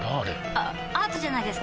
あアートじゃないですか？